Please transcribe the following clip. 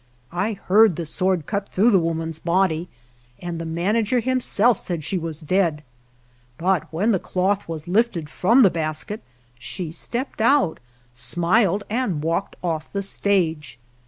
I heard the sword cut through the woman's body, and the manager himself said she was dead; but when the cloth was lifted from the basket she stepped out, smiled, and walked off the stage.